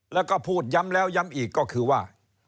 แล้วก็พูดย้ำแล้วย้ำอีกก็คือว่า